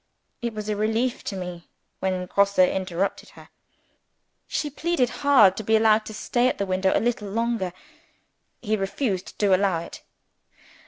It was a relief to me when Grosse interrupted her. She pleaded hard to be allowed to stay at the window a little longer. He refused to allow it.